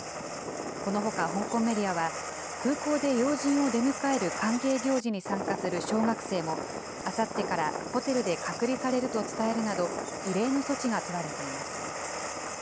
このほか香港メディアは、空港で要人を出迎える歓迎行事に参加する小学生も、あさってからホテルで隔離されると伝えるなど、異例の措置が取られています。